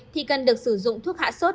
thì cần được sử dụng thuốc hạ sốt